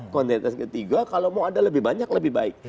konteitas ketiga kalau mau ada lebih banyak lebih baik